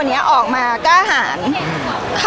พี่ตอบได้แค่นี้จริงค่ะ